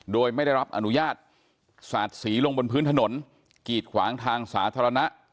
โดยไม่ได้รับอนุญาตสาดสีลงบนพื้นถนนกีดขวางทางสาธารณะ